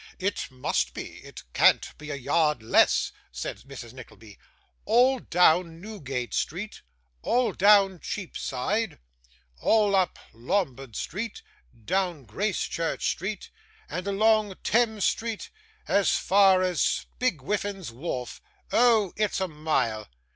'It must be; it can't be a yard less,' said Mrs. Nickleby. 'All down Newgate Street, all down Cheapside, all up Lombard Street, down Gracechurch Street, and along Thames Street, as far as Spigwiffin's Wharf. Oh! It's a mile.